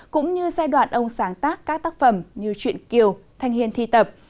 cũng như giai đoạn ông sáng tác các tác phẩm như chuyện kiều thanh hiên thi tập